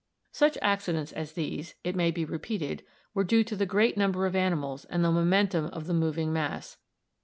Such accidents as these: it may be repeated, were due to the great number of animals and the momentum of the moving mass.